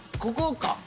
ここか。